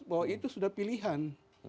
bahwa itu sudah pilihan